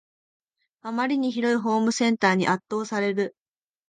あまりに広いホームセンターに圧倒される